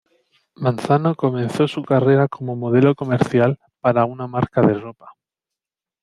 Manzano comenzó su carrera como modelo comercial para una marca de ropa.